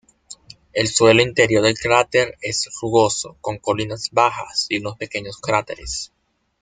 El suelo interior del cráter es rugoso, con colinas bajas y unos pequeños cráteres.